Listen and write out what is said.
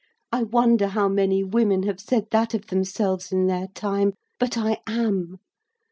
I wonder how many women have said that of themselves in their time, but I am.